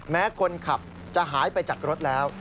แม้คนขับจะหายไปจากรถแล้ว